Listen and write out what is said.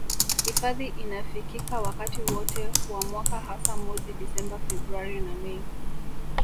Hifadhi inafikika wakati wote wa mwaka hasa mwezi disemba februari na mei